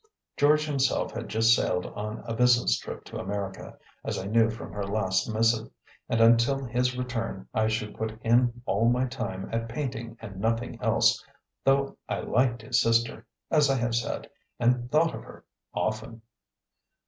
George himself had just sailed on a business trip to America, as I knew from her last missive; and until his return, I should put in all my time at painting and nothing else, though I liked his sister, as I have said, and thought of her often.